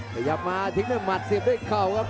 ขยับมาทิ้งด้วยหมัดเสียบด้วยเข่าครับ